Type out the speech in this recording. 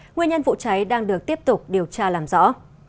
nguyên nhân vụ cháy đang được tiếp tục điều tra làm rõ